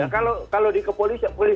kalau di kepolisian itu penyidikan